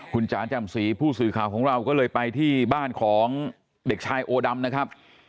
คุณจ๋าจำศรีผู้สื่อข่าวของเราก็เลยไปที่บ้านของเด็กชายโอดำนะครับ